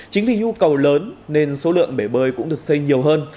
chính vì nhu cầu lớn nên số lượng bể bơi cũng được xây nhiều hơn